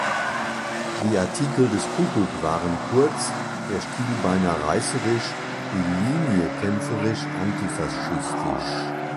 Die Artikel des „Kuckuck“ waren kurz, der Stil beinahe „reißerisch“, die „Linie“ kämpferisch antifaschistisch.